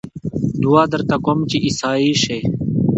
دعا درته کووم چې عيسائي شې